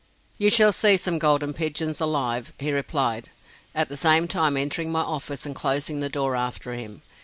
"You shall see some golden pigeons alive," he replied, at the same time entering my office and closing the door after him.